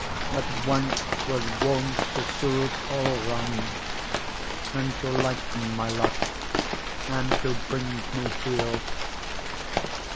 That once was wont to soothe all wrong, And to lighten my lot, and to bring me heal.